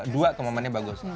dua tuh momennya bagus